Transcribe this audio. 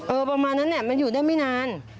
เออประมาณนั้นแหละมาอยู่ได้ไม่นาน